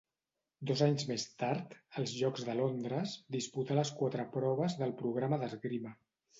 Dos anys més tard, als Jocs de Londres, disputà les quatre proves del programa d'esgrima.